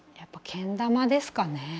けん玉ですか？